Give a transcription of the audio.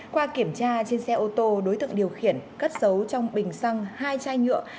qua kiểm tra trên xe ô tô đối tượng điều khiển cất giấu trong bình xăng hai chai nhựa